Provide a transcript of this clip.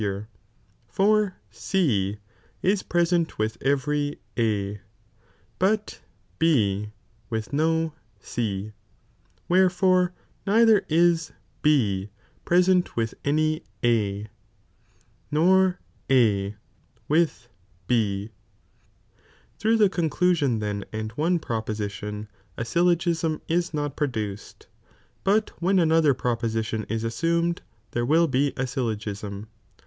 '*""^ flgTBj for C is present with every A, but B with no C, wherefore neither is B present with any r A with B, through the conclusion then and one pn> a a syllogism is not produced, but when another pro 1 is assumed there will be a syllogiiim.